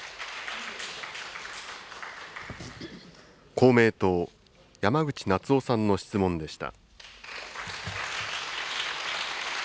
公明党、山口那津男さんの質問でした。